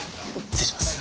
失礼します。